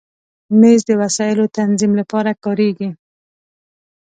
مېز د وسایلو تنظیم لپاره کارېږي.